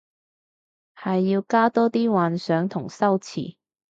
係要加多啲幻想同修辭